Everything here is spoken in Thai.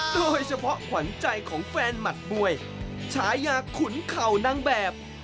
โดยเฉพาะขวัญใจของแฟนหมัดมวยฉายาขุนเข่านางแบบ